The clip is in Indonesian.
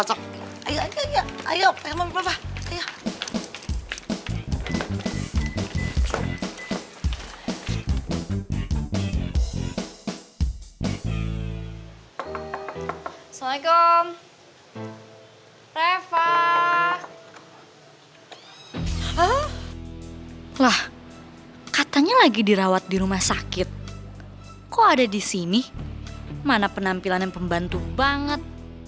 lha katanya lagi dirawat di rumah sakit kok ada di sini mana penampilan yang pembantu banget